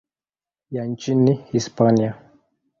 ya nchini Hispania.